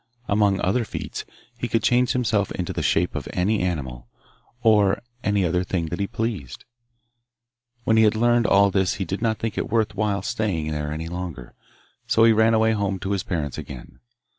Among other feats, he could change himself into the shape of any animal, or any other thing that he pleased. When he had learned all this he did not think it worth while staying there any longer, so he ran away home to his parents again.